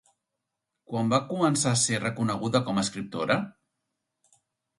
Quan va començar a ser reconeguda com a escriptora?